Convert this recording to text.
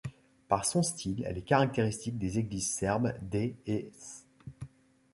Par son style, elle est caractéristique des églises serbes des et s.